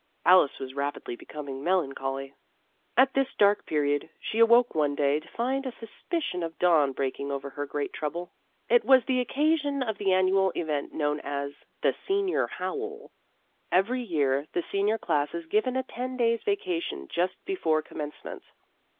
Alice was rapidly becoming melancholy. In Search of Experience 19 At this dark period, she awoke one day to find a suspicion of dawn breaking over her great trouble. It was the occasion of the annual event known as the " Senior Howl." Every year the senior class is given a ten days' vacation just before Commence ment.